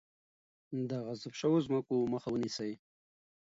د غصب شوو ځمکو مخه ونیسئ.